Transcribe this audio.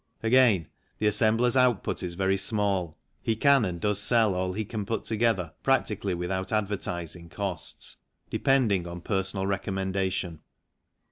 Again, the assembler's output is very small; he can, and does sell all he can put together practically without advertising costs, depending on personal recommendation.